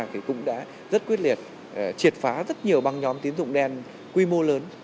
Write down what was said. thì cũng đã rất quyết liệt triệt phá rất nhiều băng nhóm tín dụng đen quy mô lớn